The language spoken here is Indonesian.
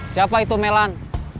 siapa itu melan